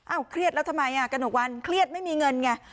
เครียดแล้วทำไมกระหนกวันเครียดไม่มีเงินไง